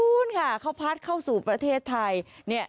นู้นค่ะเขาพัดเข้าสู่ประเทศไทย